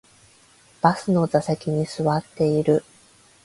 バスの座席に座っている